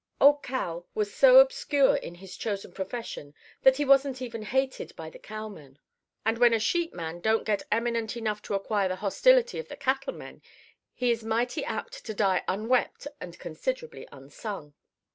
Old Cal was so obscure in his chosen profession that he wasn't even hated by the cowmen. And when a sheepman don't get eminent enough to acquire the hostility of the cattlemen, he is mighty apt to die unwept and considerably unsung.